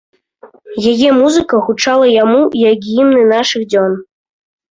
Яе музыка гучала яму, як гімны нашых дзён.